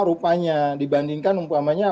rupanya dibandingkan umpamanya